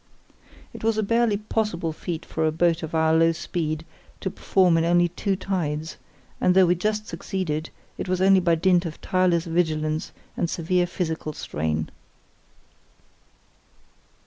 It was a barely possible feat for a boat of our low speed to perform in only two tides; and though we just succeeded, it was only by dint of tireless vigilance and severe physical strain.